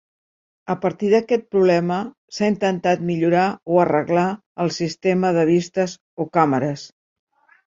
A partir d'aquest problema s'ha intentat millorar o arreglar el sistema de vistes o càmeres.